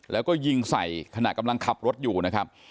แล้วก็ยิงใส่ขณะกำลังขับรถอยู่นะครับ